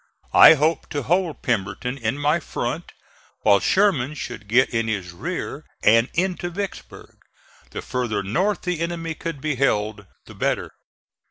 I hoped to hold Pemberton in my front while Sherman should get in his rear and into Vicksburg. The further north the enemy could be held the better.